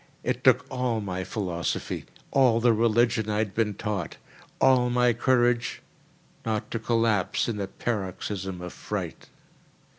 It took all my philosophy, all the religion I had been taught, all my courage, not to collapse in a paroxysm of fright.